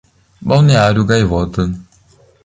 Balneário Gaivota